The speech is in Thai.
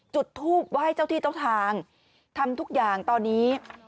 จุดทูบไหว้เจ้าที่เจ้าทางทำทุกอย่างตอนนี้